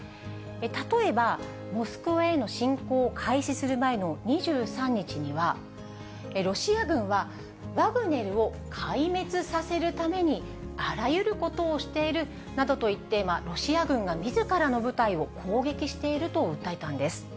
例えばモスクワへの進行を開始する前の２３日には、ロシア軍はワグネルを壊滅させるためにあらゆることをしているなどと言って、ロシア軍がみずからの部隊を攻撃していると訴えたんです。